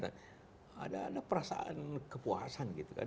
ada perasaan kepuasan gitu kan